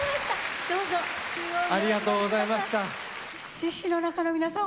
獅子の中の皆さん